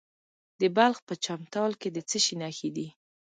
د بلخ په چمتال کې د څه شي نښې دي؟